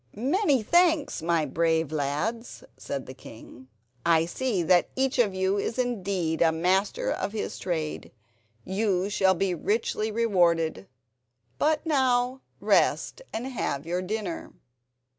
"Many thanks, my brave lads," said the king; "I see that each of you is indeed a master of his trade. You shall be richly rewarded. But now rest and have your dinner."